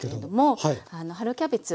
春キャベツ